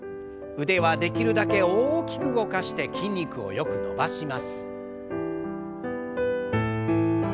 腕はできるだけ大きく動かして筋肉をよく伸ばします。